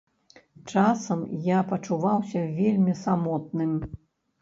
Часам я пачуваўся вельмі самотным.